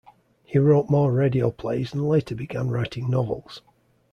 He wrote more radio plays and later began writing novels.